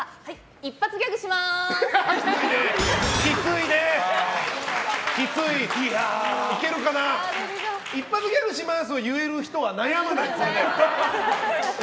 一発ギャグします！を言える人は悩まない。